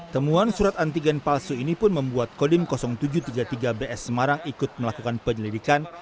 temuan surat antigen palsu ini pun membuat kodim tujuh ratus tiga puluh tiga bs semarang ikut melakukan penyelidikan